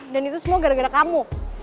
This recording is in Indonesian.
dan itu semua gara gara kamu